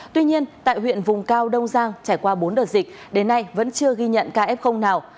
tuy nhiên tại huyện vùng cao đông giang trải qua bốn đợt dịch đến nay vẫn chưa ghi nhận ca f nào